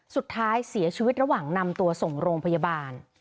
สุดท้ายเสียชีวิตระหว่างนำตัวส่งโรงพยาบาล